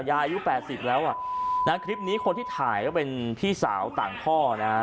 อายุ๘๐แล้วอ่ะนะคลิปนี้คนที่ถ่ายก็เป็นพี่สาวต่างพ่อนะฮะ